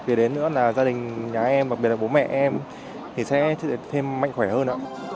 kể đến nữa là gia đình nhà em bặc biệt là bố mẹ em thì sẽ thêm mạnh khỏe hơn